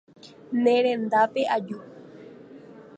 Nerendápe aju.